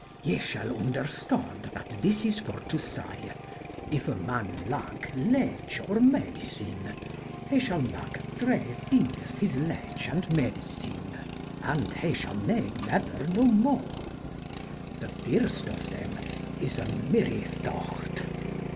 Ye shall vnderstonde that this is for to saye, Yf a man lacke leche or medicyne he shall make thre thynges his leche and medicyne: and he shall nede neuer no moo. The fyrste of theym is a mery thought.